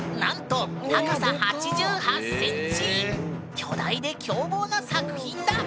巨大で凶暴な作品だ。